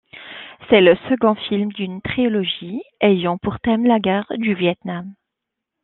C'est le second film d'une trilogie ayant pour thème la guerre du Viêt Nam.